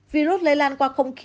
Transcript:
virus lây lan qua không khí